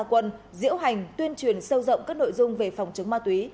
tạo quần diễu hành tuyên truyền sâu rộng các nội dung về phòng chống ma túy